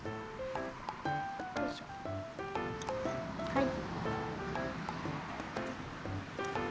はい。